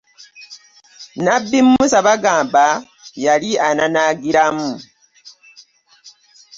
Nnabbi Musa bagamba yali ananaagiramu.